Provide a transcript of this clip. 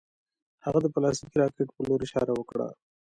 هغه د پلاستیکي راکټ په لور اشاره وکړه